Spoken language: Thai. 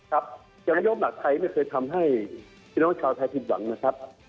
อย่างนายกหลักไทยไม่เคยทำให้พี่น้องชาวไทยผิดหวังนะครับ